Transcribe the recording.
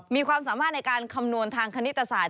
มีความสามารถในการคำนวณทางคณิตศาสต